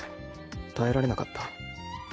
耐えられなかった。